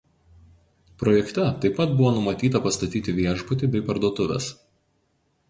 Projekte taip pat buvo numatyta pastatyti viešbutį bei parduotuves.